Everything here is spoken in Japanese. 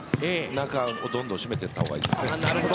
中をどんどん締めたほうがいいですね。